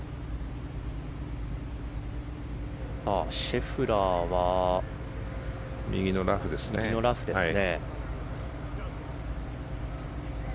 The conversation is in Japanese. シェフラーは右のラフですね。